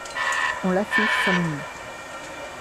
On l'affiche sur les murs.